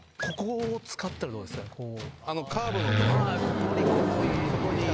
ここにこう入れたら。